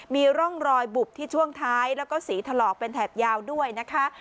มีร่องรอยบุบที่ช่วงท้ายแล้วก็สีถลอกเป็นแถบยาวด้วยนะคะ